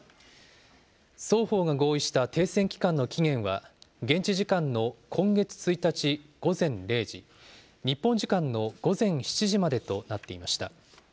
双方が合意した停戦期間の期限は現地時間の今月１日午前０時、日本時間の午前７時までとなっていました。